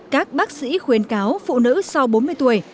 các bác sĩ khuyến cáo phụ nữ sau bốn mươi tuổi